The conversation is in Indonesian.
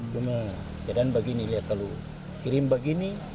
cuma kadang begini lihat kalau kirim begini